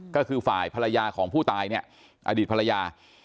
ก็คือฝ่ายภรรยาของผู้ตายเนี่ยอดีตภรรยา